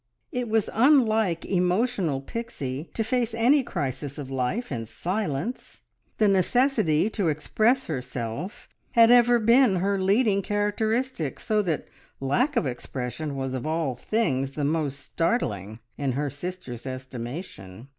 It was unlike emotional Pixie to face any crisis of life in silence; the necessity to express herself had ever been her leading characteristic, so that lack of expression was of all things the most startling, in her sister's estimation.